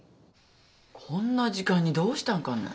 こんな時間にどうしたんかね？